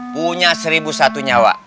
punya seribu satu nyawa